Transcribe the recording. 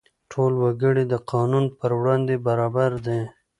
ټول وګړي د قانون پر وړاندې برابر دي.